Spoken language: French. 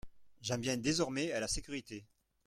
J’en viens désormais à la sécurité.